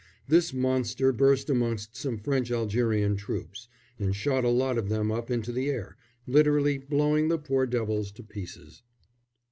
This monster burst amongst some French Algerian troops, and shot a lot of them up into the air, literally blowing the poor devils to pieces.